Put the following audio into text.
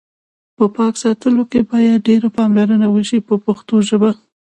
په پاک ساتلو کې باید ډېره پاملرنه وشي په پښتو ژبه.